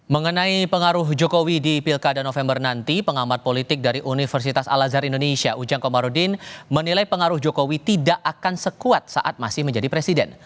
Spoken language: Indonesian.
mengenai pengaruh jokowi di pilkada november nanti pengamat politik dari universitas al azhar indonesia ujang komarudin menilai pengaruh jokowi tidak akan sekuat saat masih menjadi presiden